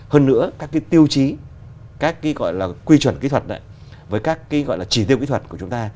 hơn nữa các tiêu chí các quy chuẩn kỹ thuật với các chỉ tiêu kỹ thuật của chúng ta